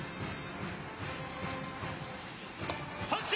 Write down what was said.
三振！